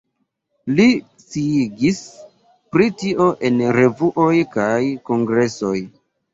Li sciigis pri tio en revuoj kaj kongresoj.